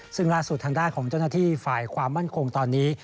ซึ่งล่าสุดทางด้านของเจ้าหน้าที่ฝ่ายความมั่นคงตอนนี้